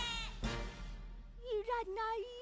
いらないよ。